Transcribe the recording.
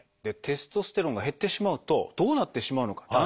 テストステロンが減ってしまうとどうなってしまうのか。